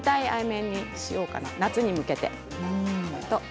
麺にしようかなと夏に向けて。